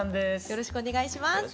よろしくお願いします。